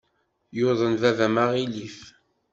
Yuḍen baba-m aɣilif.